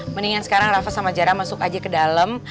mendingan sekarang rafa sama jarah masuk aja ke dalam